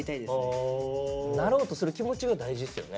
なろうとする気持ちが大事っすよね。